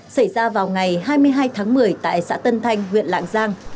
xảy ra vào ngày hai mươi hai tháng một mươi tại xã tân thanh huyện lạng giang